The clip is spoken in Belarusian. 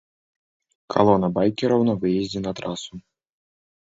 Калона байкераў на выездзе на трасу.